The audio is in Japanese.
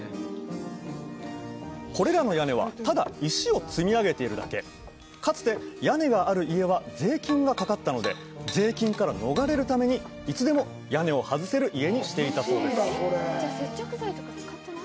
これらの屋根はただ石を積み上げてるだけかつて屋根がある家は税金がかかったので税金から逃れるためにいつでも屋根を外せる家にしていたそうです